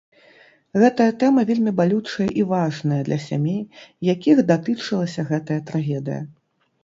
Гэтая тэма вельмі балючая і важная для сямей, якіх датычылася гэтая трагедыя.